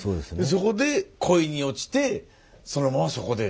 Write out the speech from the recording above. そこで恋に落ちてそのままそこで。